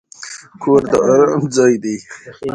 کور د ارام ځای دی.